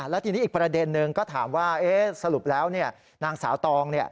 แล้วทีนี้อีกประเด็นนึงก็ถามว่าสรุปแล้วนางสาวตองเนี่ย